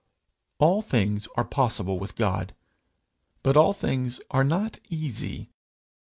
All things are possible with God, but all things are not easy.